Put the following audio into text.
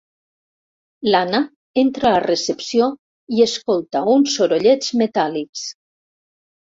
L'Anna entra a recepció i escolta uns sorollets metàl·lics.